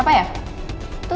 cantik banget ya